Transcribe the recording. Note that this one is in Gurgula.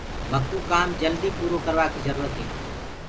مڪوُ ڪآم جلد پورو ڪروآ ڪيٚ جرُورت هي۔